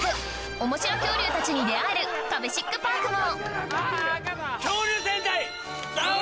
おもしろ恐竜たちに出合えるカベシックパークも！